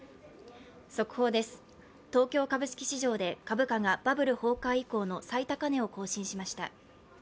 速報です、東京株式市場で株価がバブル崩壊以降の最高値を更新しました。